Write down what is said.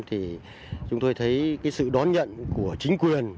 thì chúng tôi thấy cái sự đón nhận của chính quyền